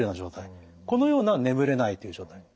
このような眠れないという状態。